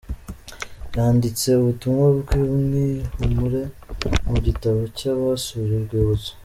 Yanditse ubutumwa bw'ihumure mu gitabo cy'abasuye urwibutso .